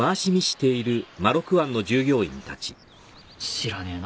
知らねえな。